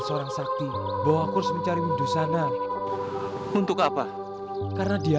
sampai jumpa di video selanjutnya